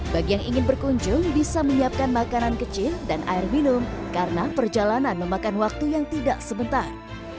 bagi yang ingin berkunjung bisa menyiapkan makanan kecil dan air minum karena perjalanan memakan waktu yang tidak sebentar